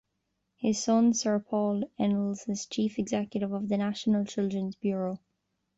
His son, Sir Paul Ennals, is chief executive of the National Children's Bureau.